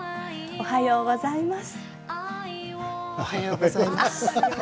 おはようございます。